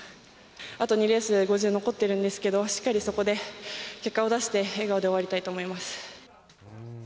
あと２レースで５０残ってるんですけど、しっかりそこで結果を出して、笑顔で終わりたいと思います。